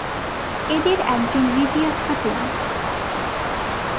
এদের একজন রিজিয়া খাতুন।